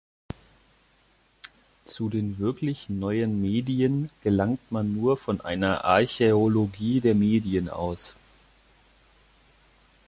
Zu den wirklich neuen Medien gelangt man nur von einer Archäologie der Medien aus.